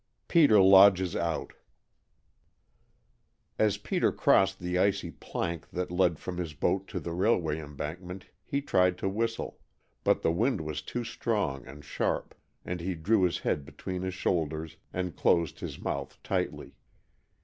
PETER LODGES OUT AS Peter crossed the icy plank that led from his boat to the railway embankment he tried to whistle, but the wind was too strong and sharp, and he drew his head between his shoulders and closed his mouth tightly.